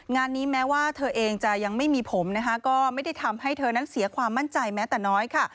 งานนี้แม้ว่าเธอเองจะยังไม่มีผมนะคะก็ไม่ได้ทำให้เธอนั้นเสียความมั่นใจแม้แต่น้อยค่ะ